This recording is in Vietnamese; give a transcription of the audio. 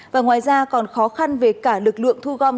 và ngoài ra còn khó khăn về cả lực lượng thu gom